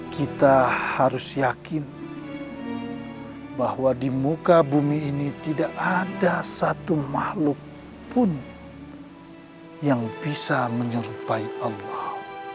kita harus yakin bahwa di muka bumi ini tidak ada satu makhluk pun yang bisa menyerupai allah